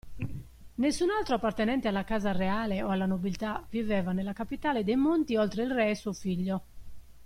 Nessun altro appartenente alla casa reale o alla nobiltà viveva nella capitale dei monti oltre il re e suo figlio.